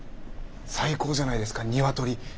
最高じゃないですかニワトリ。